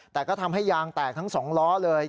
แต่ก็ทำให้ยางแตกทั้ง๒ล้อเลย